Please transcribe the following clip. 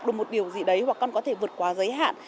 được một điều gì đấy hoặc con có thể vượt qua giới hạn